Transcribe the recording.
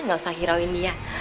gak usah hirauin dia